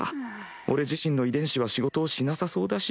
俺自身の遺伝子は仕事をしなさそうだし。